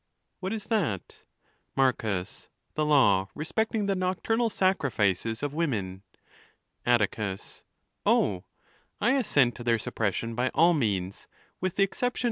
—What is that ? Marcus.—The law respecting the nocturnal sacrifices of women. , Atticus.—Oh! I assent to their suppression by all means, with the exception.